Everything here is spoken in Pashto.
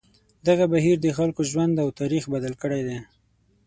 دغه بهیر د خلکو ژوند او تاریخ بدل کړی دی.